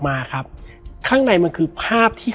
แล้วสักครั้งหนึ่งเขารู้สึกอึดอัดที่หน้าอก